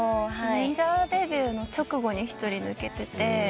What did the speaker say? メジャーデビューの直後に一人抜けてて。